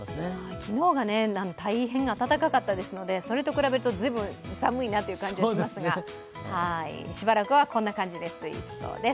昨日が大変暖かかったですのでそれと比べるとずいぶん寒いなという感じがしますが、しばらくはこんな感じで推移しそうです。